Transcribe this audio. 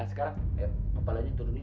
sekarang ayo kepala aja turunin